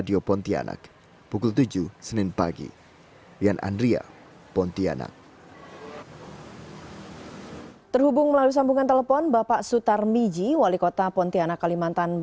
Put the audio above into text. dan kembali pulang setelah membaca pengumuman